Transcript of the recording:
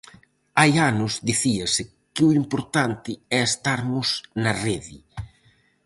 Hai anos dicíase que o importante é estarmos na Rede.